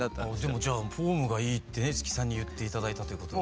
でもじゃあフォームがいいってね五木さんに言って頂いたということは。